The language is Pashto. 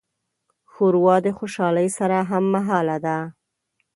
ښوروا د خوشالۍ سره هممهاله ده.